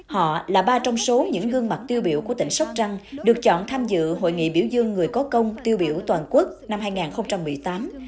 họ là ba trong số những gương mặt tiêu biểu của tỉnh sóc trăng được chọn tham dự hội nghị biểu dương người có công tiêu biểu toàn quốc năm hai nghìn một mươi tám